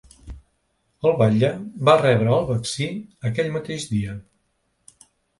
El batlle va rebre el vaccí aquell mateix dia.